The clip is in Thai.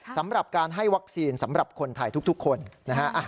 สำหรับการให้วัคซีนสำหรับคนไทยทุกคนนะฮะ